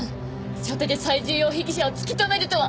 初手で最重要被疑者を突き止めるとは。